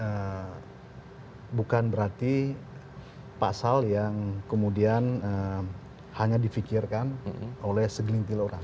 tapi ingin kita tegaskan bahwa pasal ini bukan berarti pasal yang kemudian hanya di fikirkan oleh segelintir orang